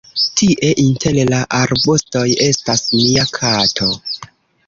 Tie, inter la arbustoj, estas mia kato.